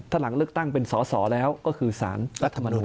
ถ้าหลังเลือกตั้งเป็นสอสอแล้วก็คือสารรัฐมนุน